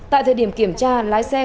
tại thời điểm kiểm tra lái xe